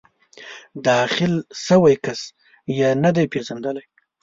داخل شوی کس یې نه دی پېژندلی.